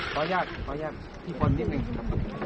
พอยักษ์พอยักษ์ที่พรเม็ดมาก่อนครับ